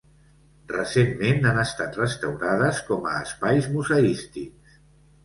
Recentment han estat restaurades com a espais museístics.